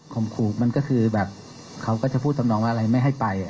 ขู่มันก็คือแบบเขาก็จะพูดทำนองว่าอะไรไม่ให้ไป